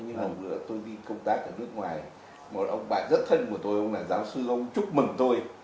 nhưng mà hồi nửa tôi đi công tác ở nước ngoài một ông bạn rất thân của tôi ông là giáo sư ông chúc mừng tôi